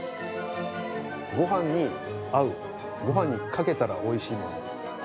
ごはんに合う、ごはんにかけたらおいしいもの。